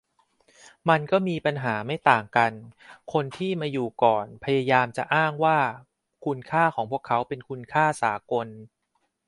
มันก็มีป้ญหาไม่ต่างกัน - คนที่มาอยู่ก่อนพยายามจะอ้างว่าคุณค่าของพวกเขาเป็นคุณค่าสากล